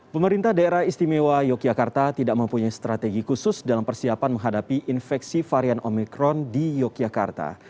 pemerintah daerah istimewa yogyakarta tidak mempunyai strategi khusus dalam persiapan menghadapi infeksi varian omikron di yogyakarta